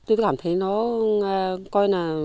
tôi cảm thấy nó coi là